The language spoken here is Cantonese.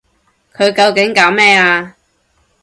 佢究竟搞咩啊？